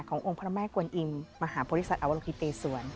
ขององค์พระแม่กวนอิมมหาโพธิศัตริย์อวรกิเตศวร